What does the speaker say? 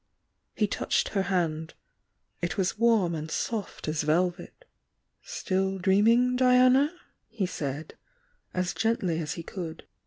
He touched her hand, — it was warm and soft as velvet. "Still dreaming, Diana?" he said, as gently as he could.